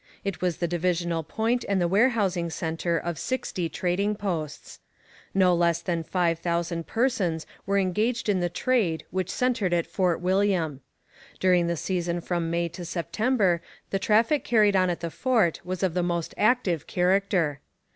It was the divisional point and the warehousing centre of sixty trading posts. No less than five thousand persons were engaged in the trade which centred at Fort William. During the season from May to September the traffic carried on at the fort was of the most active character.